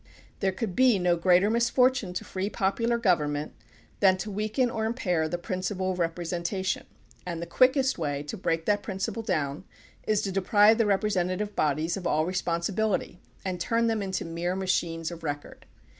There THE PUBLIC OPINION BILL 9 could be no greater misfortune to free popular gov ernment than to weaken or impair the principle of representation, and the quickest way to break that principle down is to deprive the representative bodies of all responsibility and turn them into mere machines of record.